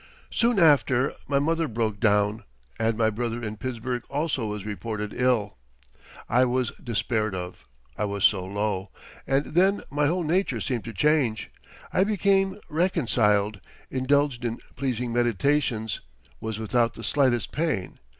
Soon after my mother broke down and my brother in Pittsburgh also was reported ill. I was despaired of, I was so low, and then my whole nature seemed to change. I became reconciled, indulged in pleasing meditations, was without the slightest pain.